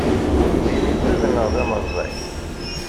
D imiziḍ neɣ d amerẓag?